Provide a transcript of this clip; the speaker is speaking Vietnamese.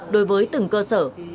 đối với từng cơ sở